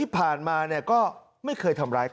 เผื่อ